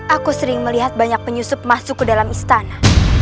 aku sering melihat banyak penyusup masuk ke dalam istana